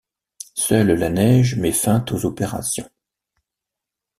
Seule la neige met fin aux opérations.